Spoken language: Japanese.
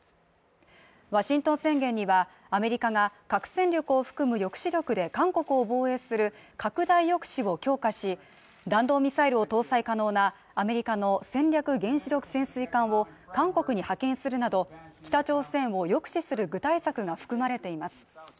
ワシントン宣言には、アメリカが核戦力を含む抑止力で韓国を防衛する拡大抑止を強化し、弾道ミサイルを搭載可能なアメリカの戦略原子力潜水艦を韓国に派遣するなど、北朝鮮を抑止する具体策が含まれています。